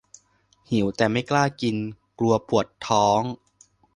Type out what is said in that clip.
หิวแต่ไม่กล้ากิน กลัวปวดท้อง -_